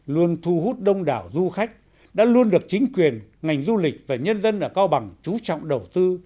luôn thu hút đông đảo du khách đã luôn được chính quyền ngành du lịch và nhân dân ở cao bằng chú trọng đầu tư